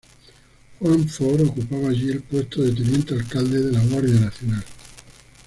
Juan Ford ocupaba allí el puesto de Teniente Alcalde de la Guardia Nacional.